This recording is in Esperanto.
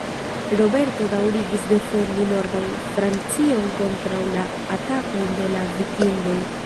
Roberto daŭrigis defendi nordan Francion kontraŭ la atakoj de la Vikingoj.